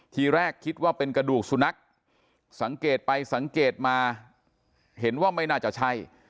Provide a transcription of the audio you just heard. ทีแรกคิดว่าเป็นกระดูกสุนัขสังเกตไปสังเกตมาเห็นว่าไม่น่าจะใช่